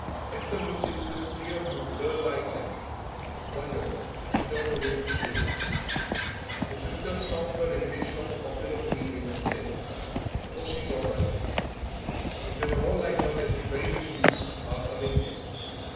Esther looked into his clear blue, girl like eyes, wondered, and turned away for shame. The sister stopped her imitation of a popular comedian, and said, "Oh, she's all right; if they were all like her there'd be very little use our coming here."